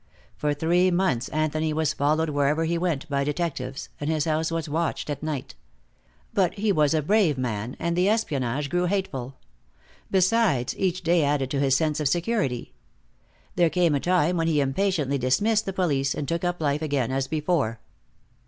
For three months Anthony was followed wherever he went by detectives, and his house was watched at night. But he was a brave man, and the espionage grew hateful. Besides, each day added to his sense of security. There came a time when he impatiently dismissed the police, and took up life again as before.